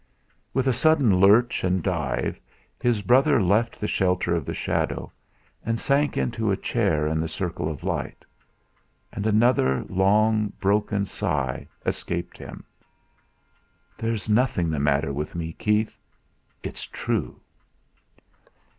With a sudden lurch and dive, his brother left the shelter of the shadow, and sank into a chair in the circle of light. And another long, broken sigh escaped him. "There's nothing the matter with me, Keith! It's true!"